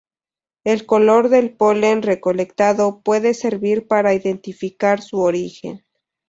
El color del polen recolectado puede servir para identificar su origen.